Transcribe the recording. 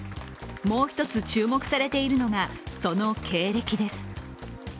もう一つ、注目されているのがその経歴です。